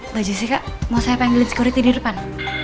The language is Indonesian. mbak jessica mau saya panggilin security di depan